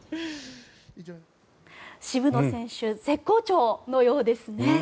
渋野選手絶好調のようですね。